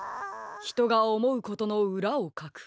ひとがおもうことのうらをかく。